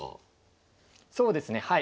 そうですねはい。